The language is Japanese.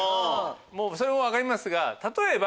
それも分かりますが例えば。